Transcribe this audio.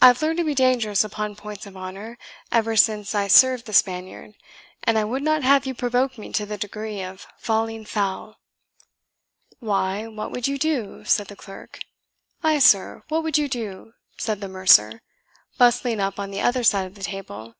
I have learned to be dangerous upon points of honour ever since I served the Spaniard, and I would not have you provoke me to the degree of falling foul." "Why, what would you do?" said the clerk. "Ay, sir, what would you do?" said the mercer, bustling up on the other side of the table.